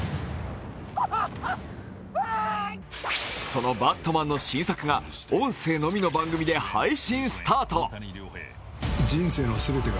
その「バットマン」の新作が音声のみの番組で配信スタート。